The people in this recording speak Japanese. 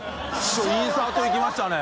嫋インサートいきましたね。